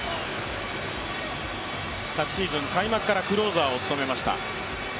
昨シーズン開幕からクローザーを務めました。